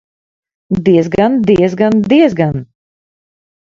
Diezgan, diezgan, diezgan!